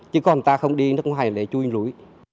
chứ còn ta không đi nước ngoài để chui núi